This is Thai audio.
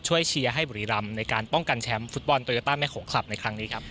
เชียร์ให้บุรีรำในการป้องกันแชมป์ฟุตบอลโตโยต้าแม่โขงคลับในครั้งนี้ครับ